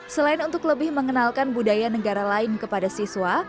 selain untuk lebih mengenalkan budaya negara lain kepada siswa